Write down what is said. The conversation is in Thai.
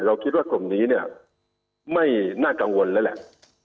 คิดว่ากลุ่มนี้เนี่ยไม่น่ากังวลแล้วแหละ